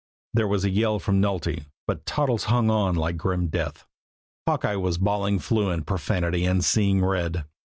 There was a yell from Nulty; but Toddles hung on like grim death. Hawkeye was bawling fluent profanity and seeing red.